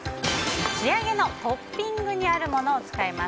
仕上げのトッピングにあるものを使います。